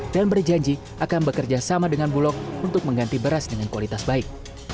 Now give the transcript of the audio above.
dan berjanji akan bekerja sama dengan bulog untuk mengganti beras dengan kualitas baik